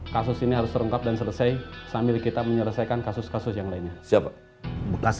kasus ini harus terungkap dan selesai sambil kita menyelesaikan kasus kasus yang lainnya